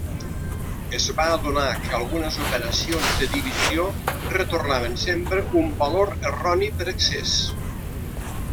Es va adonar que algunes operacions de divisió retornaven sempre un valor erroni per excés.